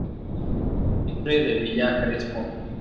Mitre de Villa Crespo.